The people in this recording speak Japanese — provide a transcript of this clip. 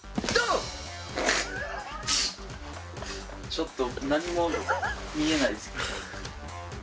ちょっと何も見えないですけど。